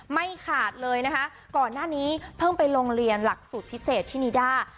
ไม่ขาดเลยนะคะก่อนหน้านี้เพิ่งไปโรงเรียนหลักสูตรพิเศษที่นิด้า